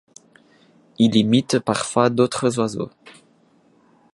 Il imite parfois d'autres oiseaux.